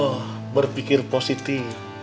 oh berpikir positif